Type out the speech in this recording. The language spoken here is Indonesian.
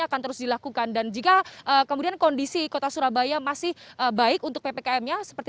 akan terus dilakukan dan jika kemudian kondisi kota surabaya masih baik untuk ppkm nya seperti